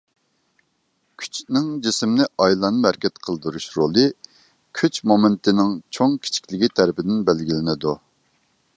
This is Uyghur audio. كۈچنىڭ جىسىمنى ئايلانما ھەرىكەت قىلدۇرۇش رولى كۈچ مومېنتىنىڭ چوڭ-كىچىكلىكى تەرىپىدىن بەلگىلىنىدۇ.